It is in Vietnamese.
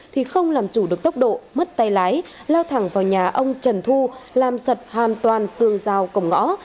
thì không làm chủ được tốc độ mất tay lái lao thẳng vào nhà ông trần thu làm sập hoàn toàn tường rào cổng ngõ